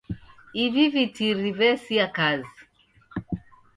Ivi vitiri vesia kazi.